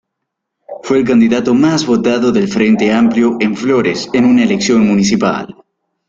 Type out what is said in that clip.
Fue el candidato más votado del Frente Amplio en Flores en una elección municipal.